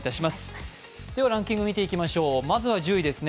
ランキングを見ていきましょう、まずは１０位ですね。